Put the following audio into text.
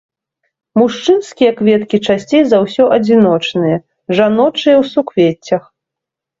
Мужчынскія кветкі часцей за ўсё адзіночныя, жаночыя ў суквеццях.